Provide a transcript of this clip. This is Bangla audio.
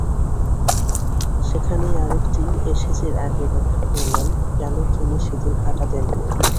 সেখানেই আরেকটি অ্যাশেজের আগে ব্যাখ্যা করলেন কেন তিনি সেদিন হাঁটা দেননি।